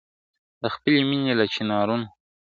د خپلي مېني له چنارونو ,